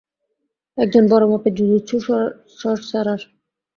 একজন বড় মাপের জুজুৎসু সর্সারার!